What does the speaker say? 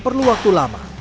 selu waktu lama